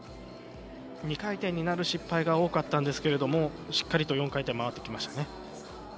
２回転になる失敗が多かったですがしっかりと４回転を回ってきました。